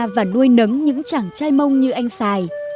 và nuôi nấng những chàng trai mông như anh sài